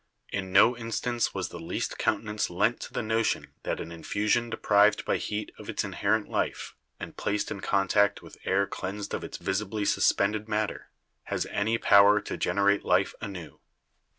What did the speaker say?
In no instance was the least countenance lent to the notion that an infusion deprived by heat of its inherent life, and placed in contact with air cleansed of its visibly suspended matter, has any power to generate life anew.